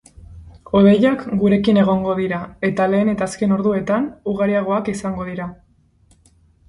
Hodeiak gurekin egongo dira eta lehen eta azken orduetan ugariagoak izango dira.